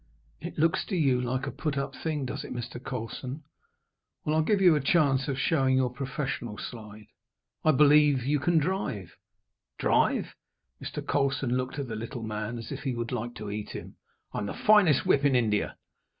"It looks to you like a put up thing, does it, Mr. Colson. Well, I'll give you a chance of showing your professional side. I believe you can drive?" "Drive!" Mr. Colson looked at the little man as if he would like to eat him. "I'm the finest whip in India."